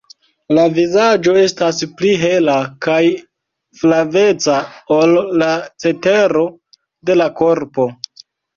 La vizaĝo estas pli hela kaj flaveca ol la cetero de la korpo.